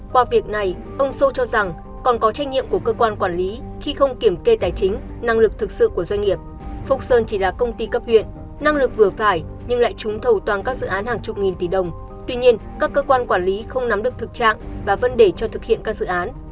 qua việc này ông sô cho rằng còn có trách nhiệm của cơ quan quản lý khi không kiểm kê tài chính năng lực thực sự của doanh nghiệp phúc sơn chỉ là công ty cấp huyện năng lực vừa phải nhưng lại trúng thầu toàn các dự án hàng chục nghìn tỷ đồng tuy nhiên các cơ quan quản lý không nắm được thực trạng và vấn đề cho thực hiện các dự án